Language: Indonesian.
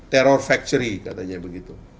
terror factory katanya begitu